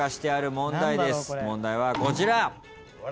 問題はこちら。